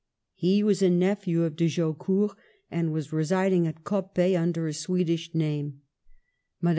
He was a nephew of De Jaucourt's, and was residing at Coppet under a Swedish name — (M.